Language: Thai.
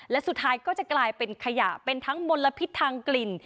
และสุดท้ายก็จะกลายเป็นขยะเป็นทั้งมลพิษทางกลิ่น